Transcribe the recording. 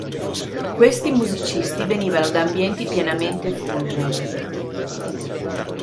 Questi musicisti venivano da ambienti pienamente fusion.